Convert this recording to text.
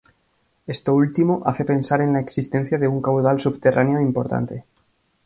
Esto último, hace pensar en la existencia de un caudal subterráneo importante.